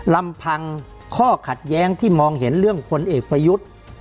ลำพังข้อขัดแย้งที่มองเห็นเรื่องพลเอกประยุทธ์